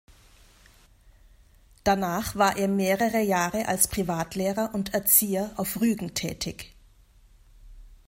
Danach war er mehrere Jahre als Privatlehrer und Erzieher auf Rügen tätig.